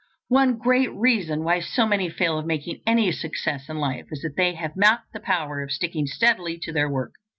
One great reason why so many fail of making any success in life is that they have not the power of sticking steadily to their work.